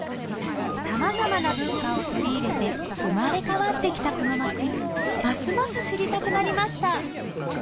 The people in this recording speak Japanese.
さまざまな文化を取り入れて生まれ変わってきたこの町ますます知りたくなりました